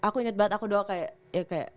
aku inget banget aku doa kayak ya kayak